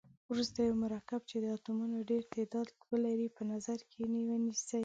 وروسته یو مرکب چې د اتومونو ډیر تعداد ولري په نظر کې ونیسئ.